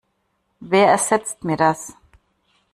Wer ersetzt mir das?